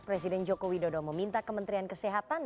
presiden joko widodo meminta kementerian kesehatan